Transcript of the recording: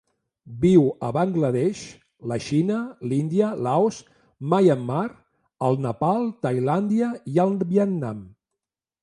Viu a Bangla Desh, la Xina, l'Índia, Laos, Myanmar, el Nepal, Tailàndia i el Vietnam.